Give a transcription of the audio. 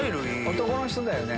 男の人だよね？